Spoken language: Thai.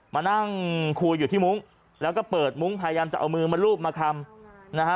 มานั่งคุยอยู่ที่มุ้งแล้วก็เปิดมุ้งพยายามจะเอามือมารูปมาคำนะฮะ